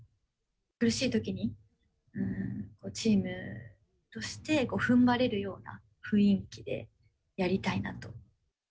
苦しいときにチームとしてふんばれるような雰囲気でやりたいなと。